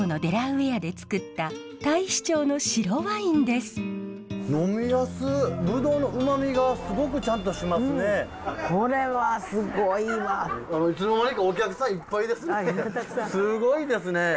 すごいですね。